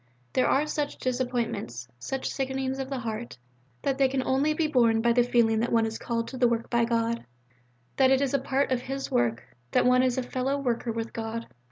There are such disappointments, such sickenings of the heart, that they can only be borne by the feeling that one is called to the work by God, that it is a part of His work, that one is a fellow worker with God.